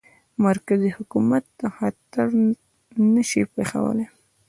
مرکزي حکومت ته خطر نه شي پېښولای.